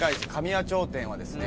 谷町店はですね